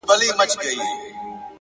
• دا ستا په ياد كي بابولاله وايم ـ